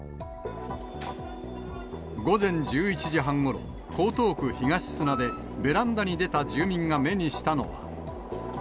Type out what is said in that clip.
午前１１時半ごろ、江東区東砂でベランダに出た住民が目にしたのは。